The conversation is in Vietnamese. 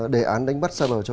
đề án đánh bắt sa bờ cho